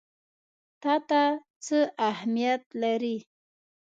تا ته څه اهمیت لري؟